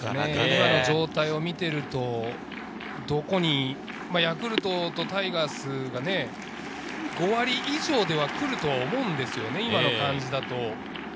今の状態を見ていると、ヤクルトとタイガースが５割以上ではくると思うんですよね、今の感じだと。